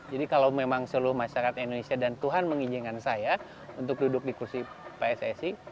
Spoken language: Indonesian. jadi kalau memang seluruh masyarakat indonesia dan tuhan mengizinkan saya untuk duduk di kursi pssi